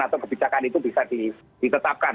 atau kebijakan itu bisa ditetapkan